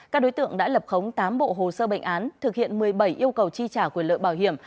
các đối tượng đã lập khống tám bộ hồ sơ bệnh án thực hiện một mươi bảy yêu cầu chi trả quyền lợi bảo hiểm